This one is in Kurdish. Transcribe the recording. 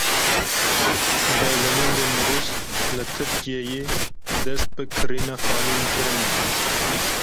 Dewlemendên Rûs li Tirkiyeyê dest bi kirîna xaniyan kirine.